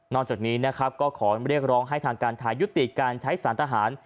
จากนี้นะครับก็ขอเรียกร้องให้ทางการไทยยุติการใช้สารทหาร